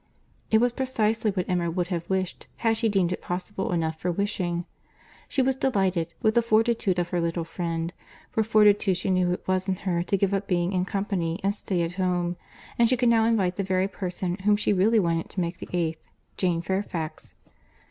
It was precisely what Emma would have wished, had she deemed it possible enough for wishing. She was delighted with the fortitude of her little friend—for fortitude she knew it was in her to give up being in company and stay at home; and she could now invite the very person whom she really wanted to make the eighth, Jane Fairfax.